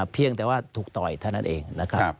เพียงแต่ว่าถูกต่อยเท่านั้นเองนะครับ